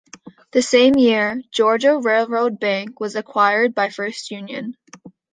The same year, Georgia Railroad Bank was acquired by First Union.